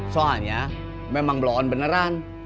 soalnya memang blok on beneran